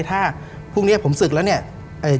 ถ้าพรุ่งนี้ผมศึกแล้วเนี่ย